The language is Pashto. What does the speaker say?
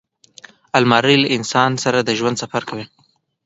الماري له انسان سره د ژوند سفر کوي